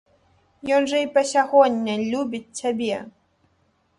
Ён жа і па сягоння любіць цябе.